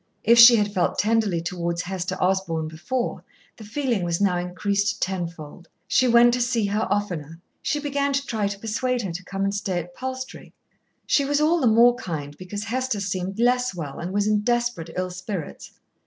If she had felt tenderly towards Hester Osborn before, the feeling was now increased tenfold. She went to see her oftener, she began to try to persuade her to come and stay at Palstrey. She was all the more kind because Hester seemed less well, and was in desperate ill spirits.